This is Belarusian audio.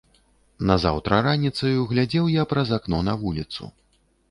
Назаўтра раніцаю глядзеў я праз акно на вуліцу.